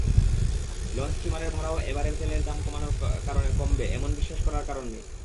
লঞ্চ-স্টিমারের ভাড়াও এবারের তেলের দাম কমানোর কারণে কমবে—এমন বিশ্বাস করার কারণ নেই।